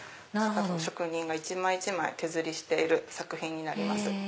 職人が一枚一枚手刷りしている作品になります。